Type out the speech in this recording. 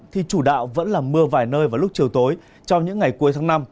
thì chủ đạo vẫn là mưa vài nơi vào lúc chiều tối trong những ngày cuối tháng năm